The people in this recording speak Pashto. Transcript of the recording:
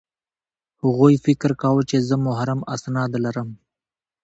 هغوی فکر کاوه چې زه محرم اسناد لرم